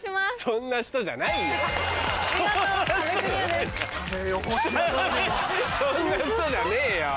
そんな人じゃねえよ！